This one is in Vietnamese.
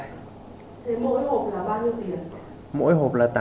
thế mỗi hộp là bao nhiêu tiền